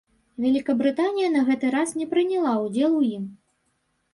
Вялікабрытанія на гэты раз не прыняла ўдзел у ім.